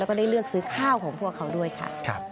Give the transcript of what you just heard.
แล้วก็ได้เลือกซื้อข้าวของพวกเขาด้วยค่ะ